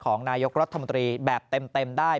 นายกรัฐมนตรีแบบเต็มได้